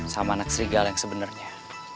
sama anak serigala yang sebenernya